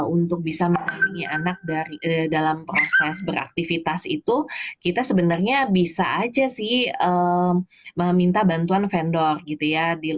untuk bisa melindungi anak dalam proses beraktivitas itu kita sebenarnya bisa aja sih meminta bantuan vendor gitu ya